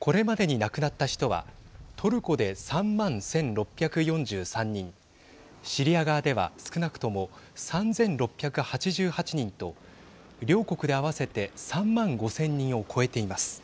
これまでに亡くなった人はトルコで３万１６４３人シリア側では少なくとも３６８８人と両国で合わせて３万５０００人を超えています。